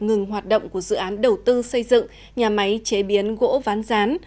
ngừng hoạt động của dự án đầu tư xây dựng nhà máy chế biến gỗ ván rán